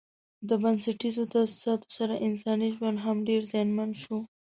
د بنسټیزو تاسیساتو سره انساني ژوند هم ډېر زیانمن شو.